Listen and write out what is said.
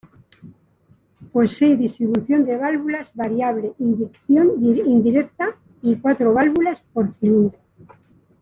Posee distribución de válvulas variable, inyección indirecta y cuatro válvulas por cilindro.